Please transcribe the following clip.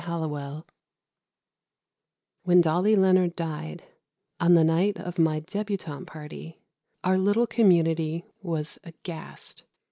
HALLOWELL When Dolly Leonard died, on the night of my débutante party, our little community was aghast.